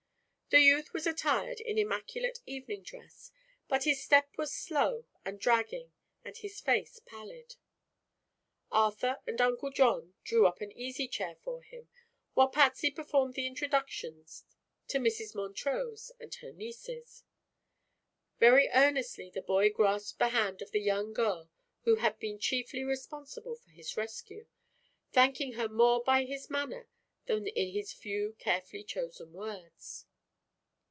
The youth was attired in immaculate evening dress, but his step was slow and dragging and his face pallid. Arthur and Uncle John drew up an easy chair for him while Patsy performed the introductions to Mrs. Montrose and her nieces. Very earnestly the boy grasped the hand of the young girl who had been chiefly responsible for his rescue, thanking her more by his manner than in his few carefully chosen words.